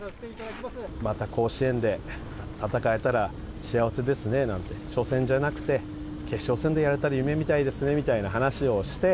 また甲子園で戦えたら幸せですねなんて、初戦じゃなくて、決勝戦でやれたら夢みたいですねみたいな話をして。